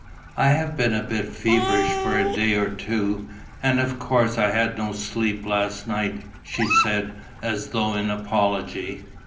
"I have been a bit feverish for a day or two; and of course I had no sleep last night," she said, as though in apology.